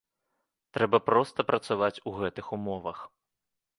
Трэба проста працаваць у гэтых умовах.